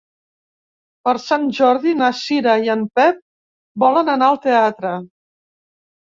Per Sant Jordi na Cira i en Pep volen anar al teatre.